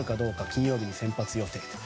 金曜日に先発予定です。